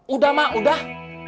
udah mak udah